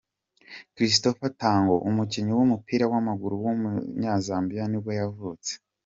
Christopher Katongo, umukinnyi w’umupira w’amaguru w’umunyazambiya nibwo yavutse.